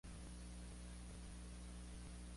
La ocupación y urbanización son escasas.